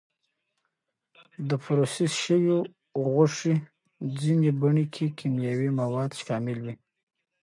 د پروسس شوې غوښې ځینې بڼې کې کیمیاوي مواد شامل وي.